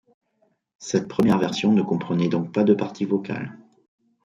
Cette première version ne comprenait donc pas de partie vocale.